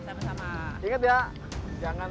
sama sama ingat ya jangan